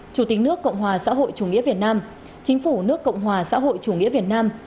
chủ tịch nước cộng hòa xã hội chủ nghĩa việt nam chính phủ nước cộng hòa xã hội chủ nghĩa việt nam